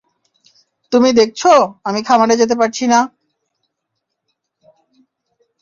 তুমি দেখছো, আমি খামারে যেতে পারছি না।